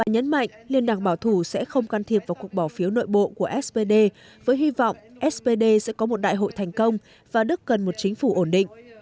nhấn mạnh liên đảng bảo thủ sẽ không can thiệp vào cuộc bỏ phiếu nội bộ của spd với hy vọng spd sẽ có một đại hội thành công và đức cần một chính phủ ổn định